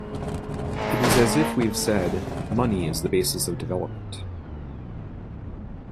It is as if we have said, Money is the basis of development.